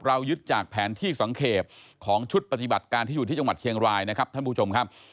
ยึดจากแผนที่สังเกตของชุดปฏิบัติการที่อยู่ที่จังหวัดเชียงรายนะครับท่านผู้ชมครับ